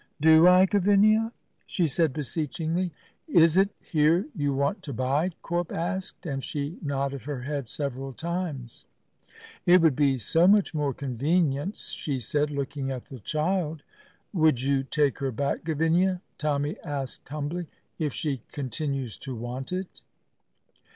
"Do I, Gavinia?" she said beseechingly. "Is it here you want to bide?" Corp asked, and she nodded her head several times. "It would be so much more convenient," she said, looking at the child. "Would you take her back, Gavinia," Tommy asked humbly, "if she continues to want it?"